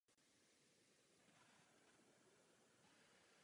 O rok později se stejným časem stal halovým mistrem Evropy na této trati.